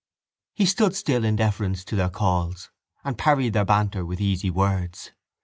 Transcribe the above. He stood still in deference to their calls and parried their banter with easy words.